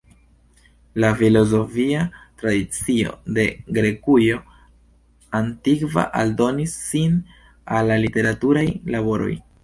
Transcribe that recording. La filozofia tradicio de Grekujo antikva aldonis sin al la literaturaj laboroj.